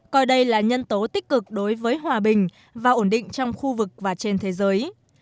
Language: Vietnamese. coi đây là nhân tố tích cực đối với hòa bình và ổn định trong khu vực và trên thế giới